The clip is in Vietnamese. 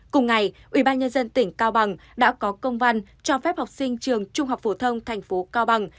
cùng ngày ubnd tỉnh cao bằng đã có công văn cho phép học sinh trường trung học phổ thông